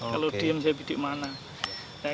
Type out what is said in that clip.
kalau diem saya bidik mana